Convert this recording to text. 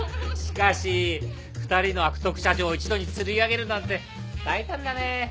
しかし２人の悪徳社長一度に釣り上げるなんて大胆だね。